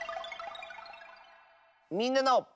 「みんなの」。